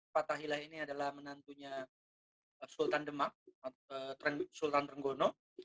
fatahila ini adalah menantunya sultan demak sultan renggono